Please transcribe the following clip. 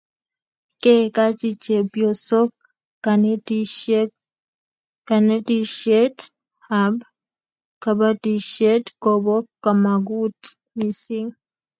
ke kachi chepyosok kanetishiet ab kabatishiet kobo kamagut mising